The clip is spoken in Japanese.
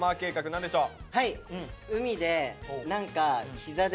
何でしょう？